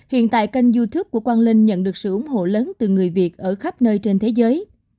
hiện tại kênh youtube của quang linh nhận được sự ủng hộ lớn từ người việt ở khắp nơi trên thế giới